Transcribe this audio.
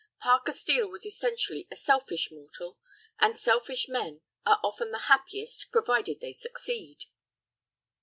Parker Steel was essentially a selfish mortal, and selfish men are often the happiest, provided they succeed.